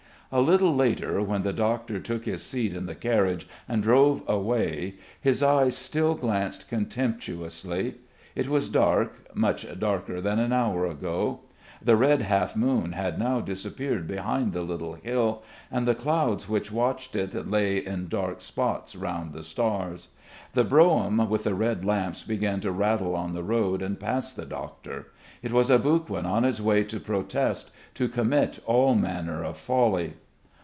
A little later, when the doctor took his seat in the carriage and drove away, his eyes still glanced contemptuously. It was dark, much darker than an hour ago. The red half moon had now disappeared behind the little hill, and the clouds which watched it lay in dark spots round the stars. The brougham with the red lamps began to rattle on the road and passed the doctor. It was Aboguin on his way to protest, to commit all manner of folly.